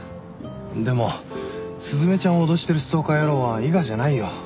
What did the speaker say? でも雀ちゃんを脅してるストーカー野郎は伊賀じゃないよ。